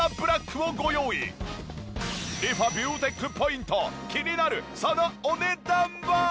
リファビューテックポイント気になるそのお値段は！？